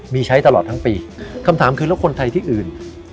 มีใช้ตลอดทั้งปีคำถามคือแล้วคนไทยที่อื่น